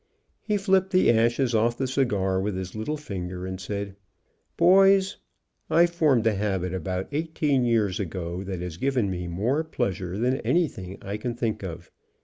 He flipped the ashes off the cigar with his little finger and said: "Boys, I formed a habit about eighteen years ago that has given me more pleasure than anything I can think of.